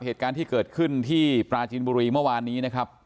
เหตุการณ์ที่เกิดขึ้นที่ปราจินบุรีเมื่อวานนี้นะครับ